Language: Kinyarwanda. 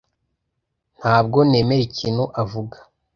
Ntabwo nemera ikintu avuga.